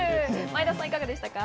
前田さん、いかがでしたか？